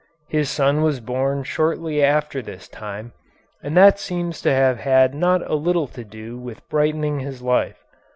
His son was born shortly after this time, and that seems to have had not a little to do with brightening his life.